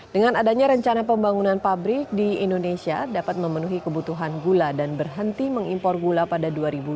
dengan adanya rencana pembangunan pabrik di indonesia dapat memenuhi kebutuhan gula dan berhenti mengimpor gula pada dua ribu dua puluh